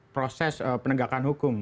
proses penegakan hukum